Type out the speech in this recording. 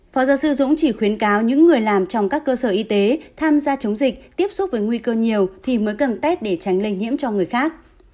phó giáo sư dũng chỉ khuyến cáo những người làm trong các cơ sở y tế tham gia chống dịch tiếp xúc với nguy cơ nhiều thì mới cần tết để tránh lây nhiễm cho người khác